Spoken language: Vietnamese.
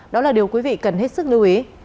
đó là điều quý vị cần hết sức lưu ý